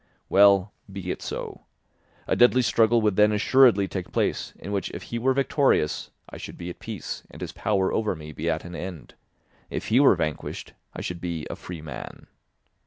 Well, be it so; a deadly struggle would then assuredly take place, in which if he were victorious I should be at peace and his power over me be at an end. If he were vanquished, I should be a free man.